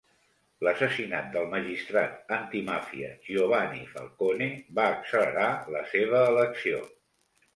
L'assassinat del magistrat antimàfia Giovanni Falcone va accelerar la seva elecció.